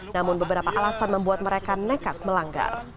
namun beberapa alasan membuat mereka nekat melanggar